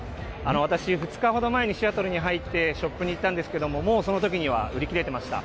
私、２日ほど前にシアトルに入ってショップに行ったんですけども、もうそのときには売り切れてました。